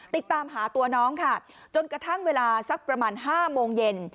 ติดตามหาตัวน้องค่ะจนกระทั่งเวลาสักประมาณ๕โมงเย็น